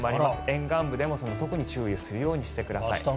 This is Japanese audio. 沿岸部でも特に注意をするようにしてください。